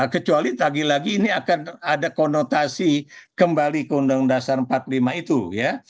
kecuali lagi lagi ini akan ada konotasi kembali ke undang undang dasar empat puluh lima itu ya